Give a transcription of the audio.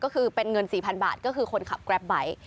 ก็คือเป็นเงิน๔๐๐๐บาทก็คือคนขับแกรปไบท์